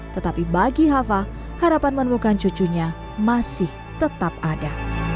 tetapi bagi hafa harapan menemukan cucunya masih tetap ada